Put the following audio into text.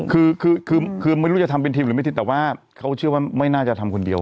คือคือไม่รู้จะทำเป็นทีมหรือไม่ทีมแต่ว่าเขาเชื่อว่าไม่น่าจะทำคนเดียว